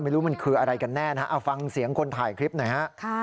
ไม่รู้มันคืออะไรกันแน่นะฮะเอาฟังเสียงคนถ่ายคลิปหน่อยฮะ